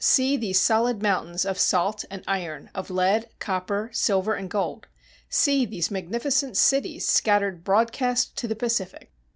See these solid mountains of salt and iron, of lead, copper, silver, and gold. See these magnificent cities scattered broadcast to the Pacific!